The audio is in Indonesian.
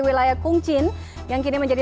wilayah kung chin yang kini menjadi